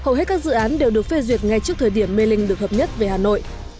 hầu hết các dự án đều được phê duyệt ngay trước thời điểm mê linh được hợp nhất về hà nội